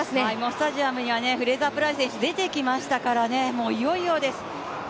スタジアムにはフレイザープライス選手出てきましたからねいよいよです。